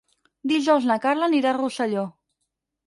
Dijous na Carla anirà a Rosselló.